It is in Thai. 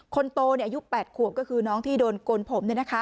คนโตอายุ๘ขวบก็คือน้องที่โดนโกนผม